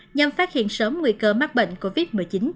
nhằm phát hiện sớm nguy cơ mắc bệnh covid một mươi chín